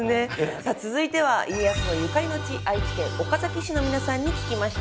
さあ続いては家康のゆかりの地愛知県岡崎市の皆さんに聞きました。